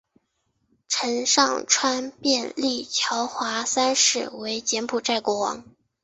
陈上川便立乔华三世为柬埔寨国王。